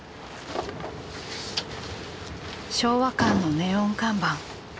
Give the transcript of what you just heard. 昭和館のネオン看板。